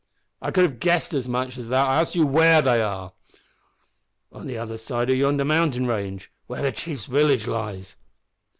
"I could have guessed as much as that. I ask you where they are!" "On the other side of yonder mountain range, where the chief's village lies."